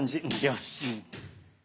よし！